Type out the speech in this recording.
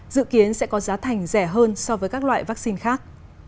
dự kiến sẽ có giá thành rẻ hơn so với các loại vaccine khác